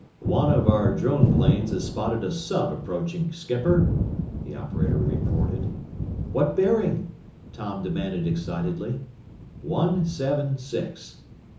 "One of our drone planes has spotted a sub approaching, skipper," the operator reported. "What bearing?" Tom demanded excitedly. "One seven six."